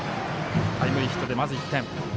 タイムリーヒットでまず１点。